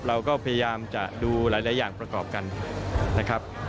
เราก็พยายามจะดูหลายอย่างประกอบกันนะครับ